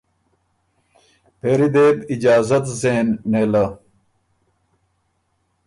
پېری دې بو اجازت زېن نېله۔